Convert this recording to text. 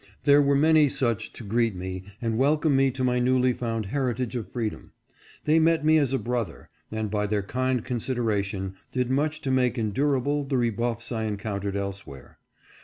There were many such to greet me and welcome me to my newly found heritage of freedom. They met me as a brother, and by their kind consideration did much to make endur able the rebuffs I encountered elsewhere.